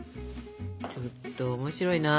ちょっと面白いな。